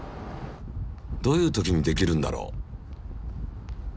どういう時にできるんだろう？